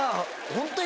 ホントに。